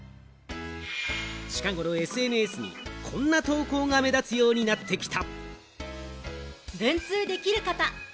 近頃ＳＮＳにこんな投稿が目立つようになってきた。